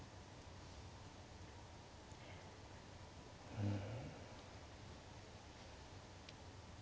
うん。